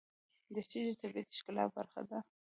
دښتې د طبیعت د ښکلا برخه ده.